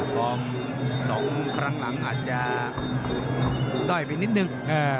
ฟอร์ม๒ครั้งหลังอาจจะด้อยไปนิดนึง